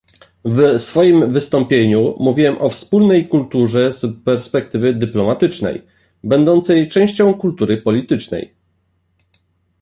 W swoim wystąpieniu mówiłem o wspólnej kulturze z perspektywy dyplomatycznej, będącej częścią kultury politycznej